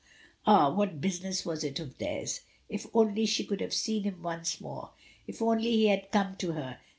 Ah! what business was it of theirs. If only she could have seen him once more. If only he had come to her.